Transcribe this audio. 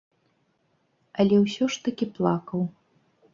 Але ўсё ж такі плакаў.